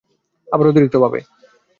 আবার অতিরিক্ত ভাবে।